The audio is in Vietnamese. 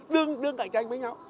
đương cạnh tranh với nhau